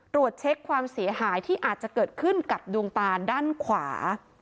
ตรวจเช็คความเสียหายที่อาจจะเกิดขึ้นกับดวงตาด้านขวา